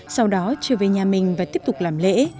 sau đó trở về nhà mình và tiếp tục làm lễ